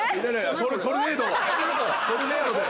トルネードで。